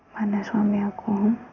mana suami aku